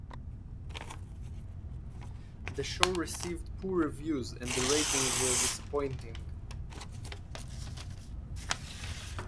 The show received poor reviews and ratings were disappointing.